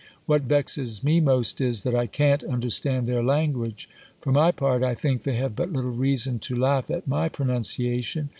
What vexes me most is, that I can't understand their language. For my part, I think they have but little reason to 'laugh at my pronunciation.